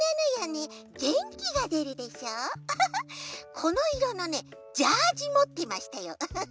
このいろのねジャージもってましたよウフフ。